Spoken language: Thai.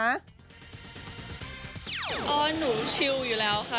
หนูชิวอยู่แล้วค่ะ